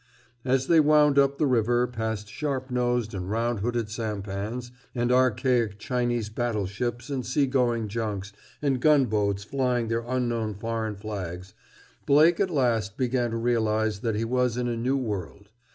As they wound up the river past sharp nosed and round hooded sampans, and archaic Chinese battle ships and sea going junks and gunboats flying their unknown foreign flags, Blake at last began to realize that he was in a new world.